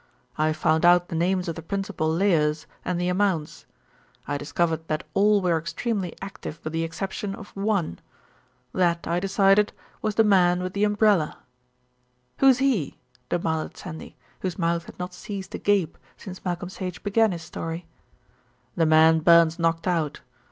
I found out the names of the principal layers and the amounts. I discovered that all were extremely active with the exception of one. That I decided was the man with the umbrella." "Who's he?" demanded Sandy, whose mouth had not ceased to gape since Malcolm Sage began his story. "The man Burns knocked out.